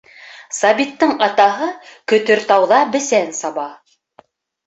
Сабиттың атаһы Көтөртауҙа бесән саба.